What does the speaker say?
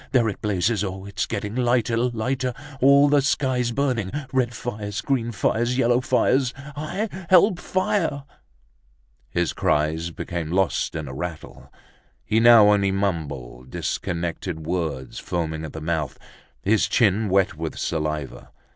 There it blazes. Oh, it's getting lighter, lighter! All the sky's burning, red fires, green fires, yellow fires. Hi! Help! Fire!" His cries became lost in a rattle. He now only mumbled disconnected words, foaming at the mouth, his chin wet with saliva.